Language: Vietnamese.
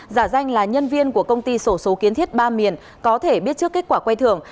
giả danh là nhân viên của công ty sổ số kiến thiết ba miền có thể biết trước kết quả quay thưởng